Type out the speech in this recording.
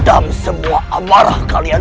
tenang semua amarah kalian